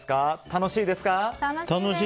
楽しいですか？